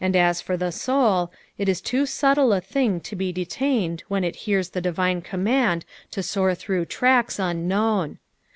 As for the soul, it is too subtle b thing to be detained when it hears the divine command to soar through tracks unknown.